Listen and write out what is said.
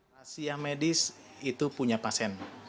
razia medis itu punya pasien